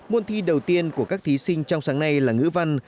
môn thi đầu tiên của các thí sinh trong sáng nay là ngữ văn